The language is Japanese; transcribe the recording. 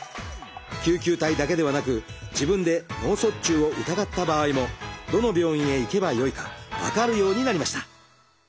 救急隊だけではなく自分で脳卒中を疑った場合もどの病院へ行けばよいか分かるようになりました。